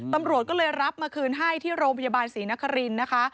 ตำรวจก็เลยรับมาคืนให้ที่โรงพยาบาลศรีนครินทร์นะคะ